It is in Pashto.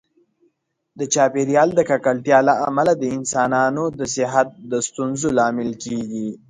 د چاپیریال د ککړتیا له امله د انسانانو د صحت د ستونزو لامل کېږي.